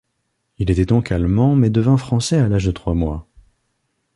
Il était donc allemand mais devint français à l'âge de trois mois.